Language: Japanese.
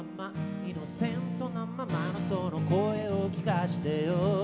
「イノセントなままのその声を聞かせてよ」